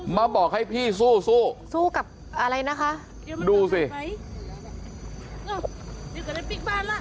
มาบอกให้พี่สู้สู้สู้กับอะไรนะคะดูสิ